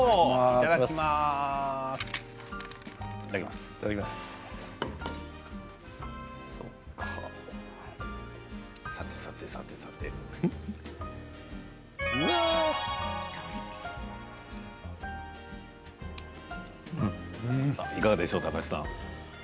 いかがでしょう高橋さん。